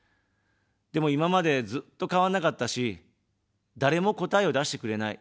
でも、今まで、ずっと変わんなかったし、誰も答えを出してくれない。